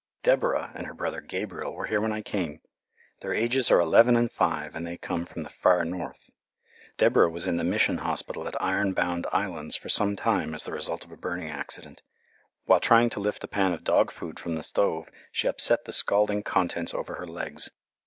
Deborah and her brother Gabriel were here when I came. Their ages are eleven and five, and they come from the far north. Deborah was in the Mission Hospital at Iron Bound Islands for some time as the result of a burning accident. While trying to lift a pan of dog food from the stove she upset the scalding contents over her legs.